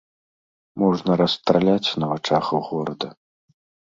Можна расстраляць на вачах горада.